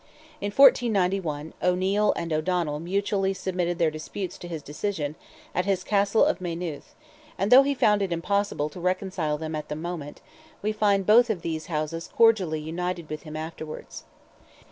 In 1491, O'Neil and O'Donnell mutually submitted their disputes to his decision, at his Castle of Maynooth, and though he found it impossible to reconcile them at the moment, we find both of these houses cordially united with him afterwards.